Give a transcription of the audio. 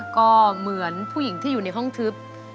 ก็เหมือนผู้หญิงที่อยู่ในห้องทึบ